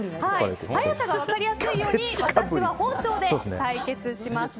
早さが分かりやすいように私は包丁で対決します。